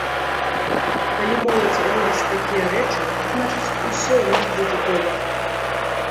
Калі моладзь робіць такія рэчы, значыць, усё ў нас будзе добра.